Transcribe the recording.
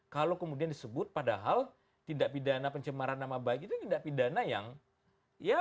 kalau kemudian disebut padahal tidak pidana pencemaran nama baik